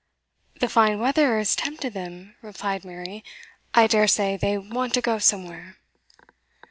'The fine weather has tempted them,' replied Mary. 'I daresay they want to go somewhere.